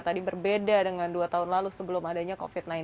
tadi berbeda dengan dua tahun lalu sebelum adanya covid sembilan belas